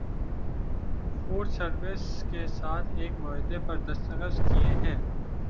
food services کے ساتھ ایک معاہدے پر دستخط کیے ہیں